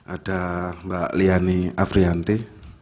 ada mbak liani afrianti